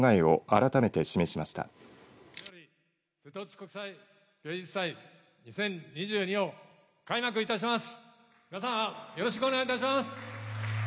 みなさんよろしくお願いいたします。